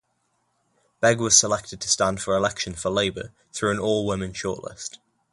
Begg was selected to stand for election for Labour through an all-women shortlist.